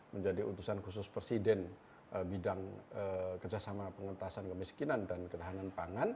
menjadi utusan khusus presiden bidang kerjasama pengetasan kemiskinan dan ketahanan pangan